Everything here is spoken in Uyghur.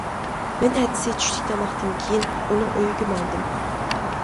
مەن ئەتىسى چۈشلۈك تاماقتىن كېيىن ئۇنىڭ ئۆيىگە ماڭدىم.